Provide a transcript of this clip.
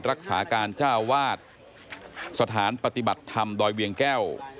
รักษาการเจ้าวาดสถานปฏิบัติธรรมดอยเวียงแก้ว